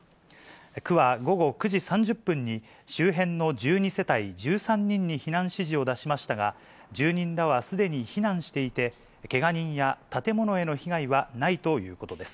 区は午後９時３０分に、周辺の１２世帯１３人に避難指示を出しましたが、住人らはすでに避難していて、けが人や建物への被害はないということです。